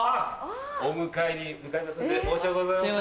お迎えに向かいませんで申し訳ございません。